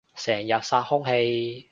成日殺空氣